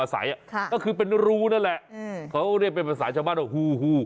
ก็คือเป็นรูนั่นแหละเขาเรียกเป็นภาษาชาวบ้านว่าฮูฮู